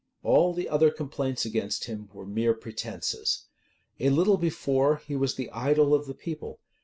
All the other complaints against him were mere pretences. A little before, he was the idol of the people.